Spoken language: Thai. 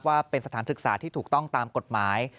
ว่าเป็นสถานศึกษาที่ถูกต้องตามกฎหมาย